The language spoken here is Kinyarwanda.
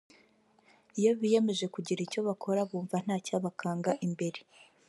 iyo biyemeje kugira icyo bakora bumva ntacyabakanga imbere